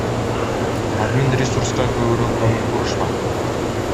Админресурска көбүрөөк көңүл бурушмак.